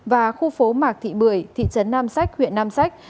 và khu phố mạc thị bưởi thị trấn nam sách huyện nam sách